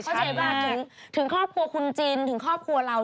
เขาเขียนข่าวถูกถึงครอบครัวคุณจินถึงครอบครัวเรา